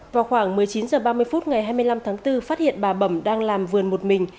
vào khoảng một mươi chín h ba mươi phút ngày hai mươi năm tháng bốn phát hiện bà bẩm đang làm vườn một mình